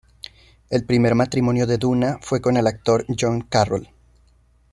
El primer matrimonio de Duna fue con el actor John Carroll.